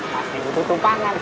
pasti butuh tumpangan